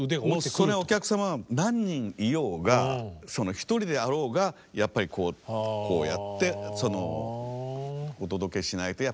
そのお客さまは何人いようが一人であろうがやっぱりこうやってお届けしないとやっぱり駄目だなと。